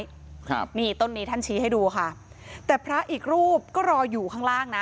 ครับนี่ต้นนี้ท่านชี้ให้ดูค่ะแต่พระอีกรูปก็รออยู่ข้างล่างนะ